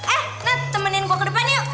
eh nat temenin gue ke depan yuk